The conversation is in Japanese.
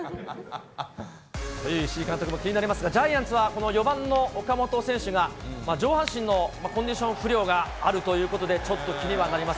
という石井監督も気になりますが、ジャイアンツはこの４番の岡本選手が、上半身のコンディション不良があるということで、ちょっと気にはなります。